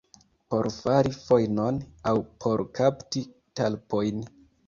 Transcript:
Por fari fojnon aŭ por kapti talpojn.